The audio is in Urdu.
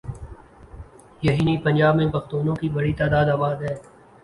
یہی نہیں پنجاب میں پختونوں کی بڑی تعداد آباد ہے۔